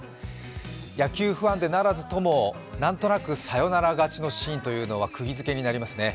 野球ファンでならずとも、何となくサヨナラ勝ちのシーンというのはくぎ付けになりますね。